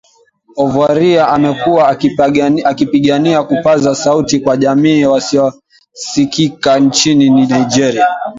Ovuorie amekuwa akipigania kupaza sauti kwa jamii ya wasiosikika nchini Nigeria